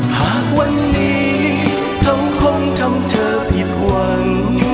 หากวันนี้เธอคงจำเธอผิดหวัง